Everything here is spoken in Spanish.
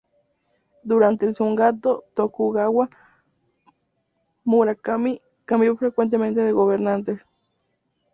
Durante el shogunato Tokugawa, Murakami cambió frecuentemente de gobernantes.